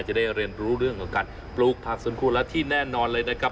จะได้เรียนรู้เรื่องของการปลูกผักสวนครัวและที่แน่นอนเลยนะครับ